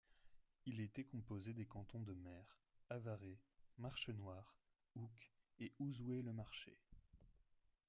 Il était composé des cantons de Mer, Avaray, Marchenoir, Oucques et Ouzouer le Marché.